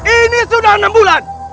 ini sudah enam bulan